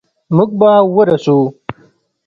موږ به ورسو.